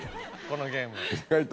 このゲーム。